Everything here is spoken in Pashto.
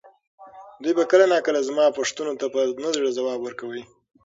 دوی به کله ناکله زما پوښتنو ته په نه زړه ځواب ورکاوه.